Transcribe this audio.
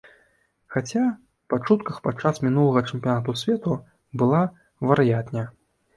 Хаця, па чутках, падчас мінулага чэмпіянату свету была вар'ятня.